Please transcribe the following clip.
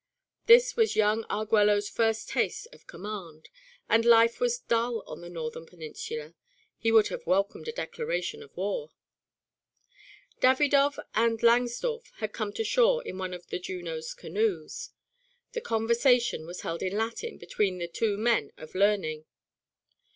This was young Arguello's first taste of command, and life was dull on the northern peninsula; he would have welcomed a declaration of war. Davidov and Langsdorff had come to shore in one of the JUNO'S canoes. The conversation was held in Latin between the two men of learning.